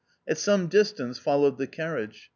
At some distance followed the carriage.